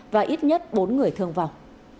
và ít nhất bốn người thương vọng